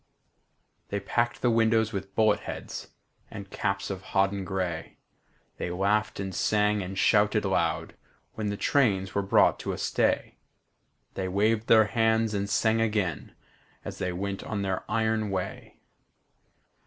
They packed the windows with bullet heads And caps of hodden gray; They laughed and sang and shouted loud When the trains were brought to a stay; They waved their hands and sang again As they went on their iron way.